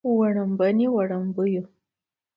وړومبني وړومبيو